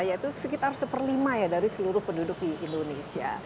yaitu sekitar satu per lima ya dari seluruh penduduk di indonesia